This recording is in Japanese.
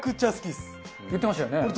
言ってましたよね。